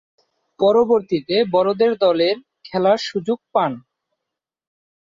পরবর্তীতে বড়দের দলের খেলার সুযোগ পান।